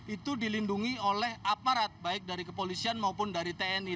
itu dilindungi oleh aparat baik dari kepolisian maupun dari tni